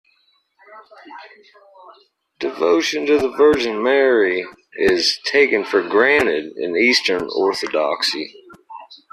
Devotion to the Virgin Mary is "taken for granted" in Eastern Orthodoxy.